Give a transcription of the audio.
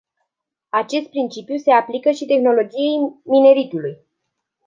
Acest principiu se aplică și tehnologiei mineritului.